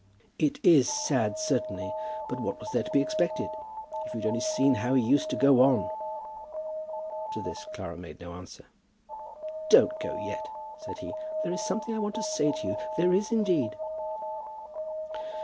"It is sad, certainly; but what was there to be expected? If you'd only seen how he used to go on." To this Clara made no answer. "Don't go yet," said he; "there is something that I want to say to you. There is, indeed."